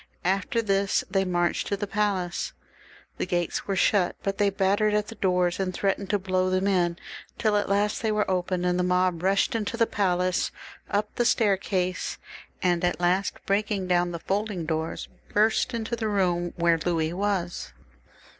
After this they marched to the palace. The gates were shut, but they battered at the doors and threatened to blow them in, till at last they were opened, and the mob rushed into the palace, up the stair case, and at last, breaking down the folding doors, burst into the room where Louis was.